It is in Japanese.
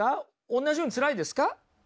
おんなじようにつらいですか？